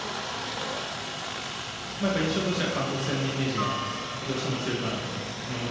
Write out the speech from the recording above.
印象としては韓国戦のイメージがどうしても強いかなと思いました。